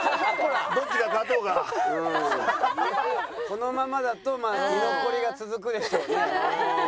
このままだとまあ居残りが続くでしょうね。